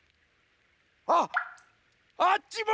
あっあっちも！